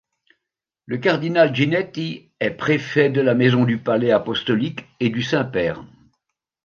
Le cardinal Ginetti est préfet de la maison du Palais apostolique et du Saint-Père.